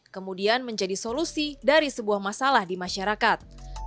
kemudian menjadi solusi dari sebuah masalah di masyarakat